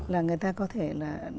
là người ta có thể là